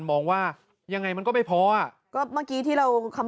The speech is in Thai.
ต้องให้ได้เท่านี้นะ